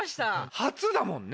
初だもんね。